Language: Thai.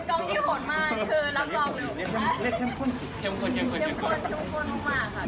เป็นกองที่โหนมากคือรับกอง